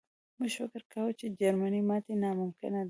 موږ فکر کاوه چې د جرمني ماتې ناممکنه ده